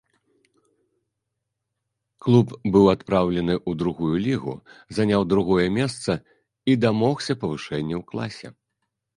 Клуб быў адпраўлены ў другую лігу, заняў другое месца і дамогся павышэння ў класе.